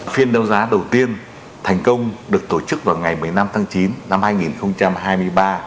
phiên đấu giá đầu tiên thành công được tổ chức vào ngày một mươi năm tháng chín năm hai nghìn hai mươi ba